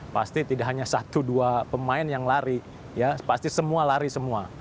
pasti tidak hanya satu dua pemain yang lari ya pasti semua lari semua